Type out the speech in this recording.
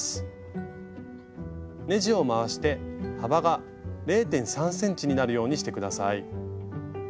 ねじを回して幅が０．３ｃｍになるようにして下さい。